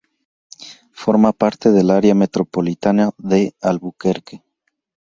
Forma parte del área metropolitana de Albuquerque.